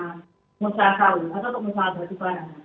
pengusaha saul atau pengusaha batu barang